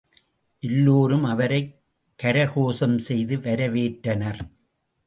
எல்லோரும் அவரைக் கரகோஷம் செய்து வரவேற்றனர்.